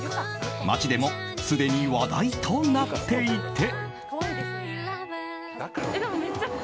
街でもすでに話題となっていて。